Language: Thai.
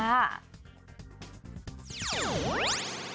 จุ๋ยเนื้อนีวออกมาเลยนะ